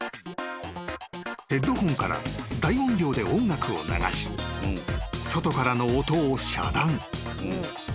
［ヘッドホンから大音量で音楽を流し外からの音を遮断］